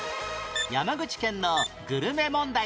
山口県のグルメ問題